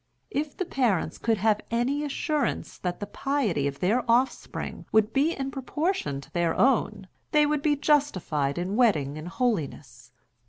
If the parents could have any assurance that the piety of their offspring would be in proportion to their own, they would be justified in wedding in holiness.